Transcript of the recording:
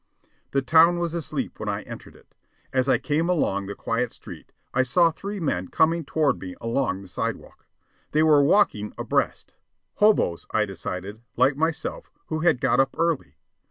The town was asleep when I entered it. As I came along the quiet street, I saw three men coming toward me along the sidewalk. They were walking abreast. Hoboes, I decided, like myself, who had got up early.